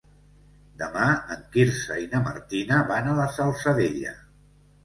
Demà en Quirze i na Martina van a la Salzadella.